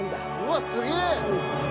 うわすげえ！